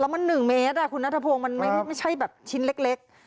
มัน๑เมตรคุณนัทพงศ์มันไม่ใช่แบบชิ้นเล็ก